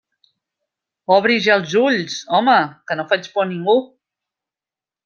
Obri ja els ulls, home, que no faig por a ningú!